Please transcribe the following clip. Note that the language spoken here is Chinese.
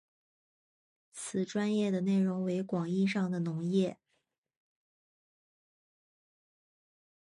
此专页的内容为广义上的农业。